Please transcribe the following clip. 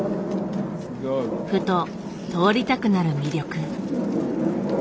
ふと通りたくなる魅力。